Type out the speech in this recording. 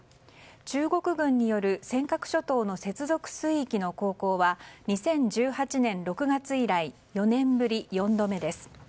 中国軍による尖閣諸島の接続水域の航行は２０１８年６月以来４年ぶり４度目です。